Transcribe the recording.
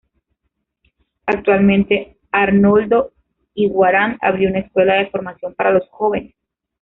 Actualmente Arnoldo Iguarán abrió una escuela de formación para los jóvenes.